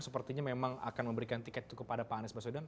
sepertinya memang akan memberikan tiket kepada pak anies basudan